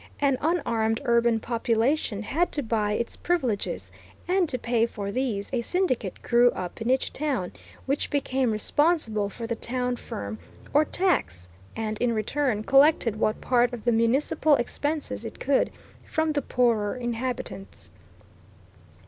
An unarmed urban population had to buy its privileges, and to pay for these a syndicate grew up in each town, which became responsible for the town ferm, or tax, and, in return, collected what part of the municipal expenses it could from the poorer inhabitants.